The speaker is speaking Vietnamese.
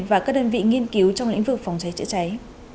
và các đơn vị nghiên cứu trong lĩnh vực phòng cháy chữa cháy